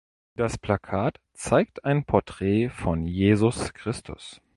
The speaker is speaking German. Das Plakat zeigt ein Porträt von Jesus Christus.